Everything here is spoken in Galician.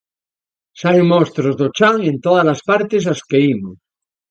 Saen monstros do chan en todas as partes ás que imos.